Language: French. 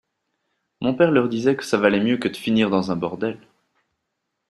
Mon père leur disait que ça valait mieux que de finir dans un bordel.